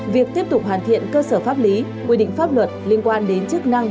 việc tiếp tục hoàn thiện cơ sở pháp lý quy định pháp luật liên quan đến chức năng